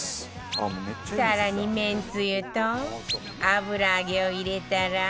更にめんつゆと油揚げを入れたら